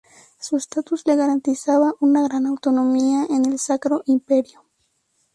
Su estatus les garantizaba una gran autonomía en el Sacro Imperio.